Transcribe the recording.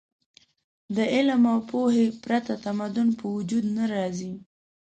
د علم او پوهې پرته تمدن په وجود نه راځي.